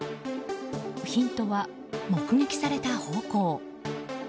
ヒントは、目撃された方向。